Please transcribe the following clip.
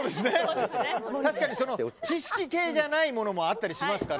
確かに知識系じゃないものもあったりしますから。